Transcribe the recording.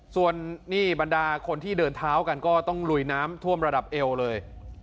ส่วนนี่บรรดาคนที่เดินเท้ากันก็ต้องลุยน้ำท่วมระดับเอวเลย